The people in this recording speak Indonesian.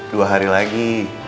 dua hari lagi